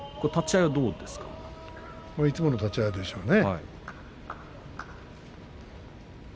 いつもの立ち合いでしょうね。